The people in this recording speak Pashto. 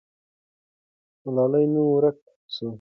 ملالۍ نوم ورک سو.